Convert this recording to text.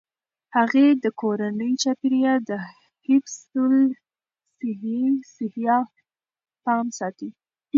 هغې د کورني چاپیریال د حفظ الصحې پام ساتي.